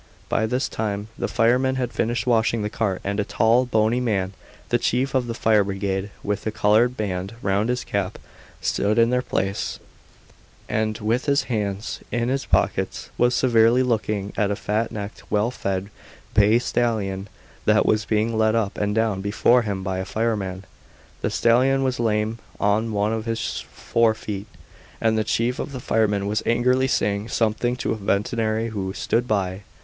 By this time the firemen had finished washing the cart, and a tall, bony man, the chief of the fire brigade, with a coloured band round his cap, stood in their place, and, with his hands in his pockets, was severely looking at a fat necked, well fed, bay stallion that was being led up and down before him by a fireman. The stallion was lame on one of his fore feet, and the chief of the firemen was angrily saying something to a veterinary who stood by.